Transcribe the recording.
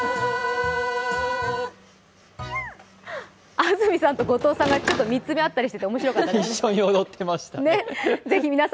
安住さんと後藤さんが見つめ合ったりしておもろしかったですね。